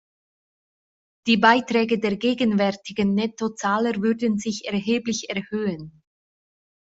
Die Beiträge der gegenwärtigen Nettozahler würden sich erheblich erhöhen.